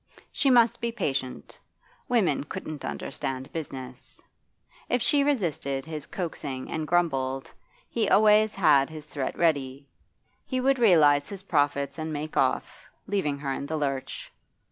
She must be patient; women couldn't understand business. If she resisted his coaxing and grumbled, he always had his threat ready. He would realise his profits and make off, leaving her in the lurch.